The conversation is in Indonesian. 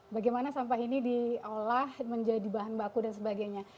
bagaimana sampah ini diolah menjadi bahan baku dan sebagainya